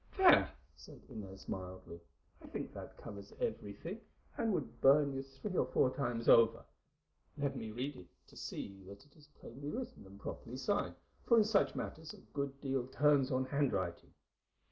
"There!" said Inez mildly, "I think that covers everything, and would burn you three or four times over. Let me read it to see that it is plainly written and properly signed, for in such matters a good deal turns on handwriting.